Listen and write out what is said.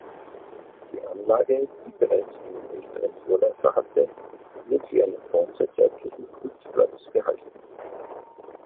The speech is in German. Die Anlage, die bereits einen älteren Vorläufer hatte, wird für einen bronzezeitlichen Kultplatz gehalten.